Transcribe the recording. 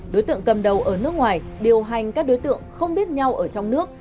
đối tượng cầm đầu ở nước ngoài điều hành các đối tượng không biết nhau ở trong nước